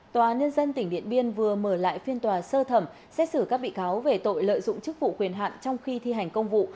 tòa nhân dân tỉnh điện biên vừa mở lại phiên tòa sơ thẩm xét xử các bị cáo về tội lợi dụng chức vụ quyền hạn trong khi thi hành công vụ